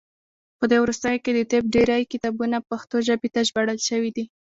په دې وروستیو کې د طب ډیری کتابونه پښتو ژبې ته ژباړل شوي دي.